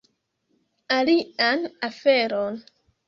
Alian aferon